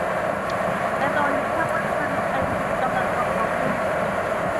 และตอนนี้ ข้างล่างนั่น ไอรีนกำลังรอเขาอยู่